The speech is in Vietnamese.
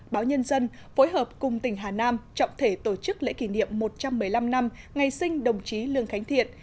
báo nhân dân phối hợp cùng tỉnh hà nam trọng thể tổ chức lễ kỷ niệm một trăm một mươi năm năm ngày sinh đồng chí lường khánh thiện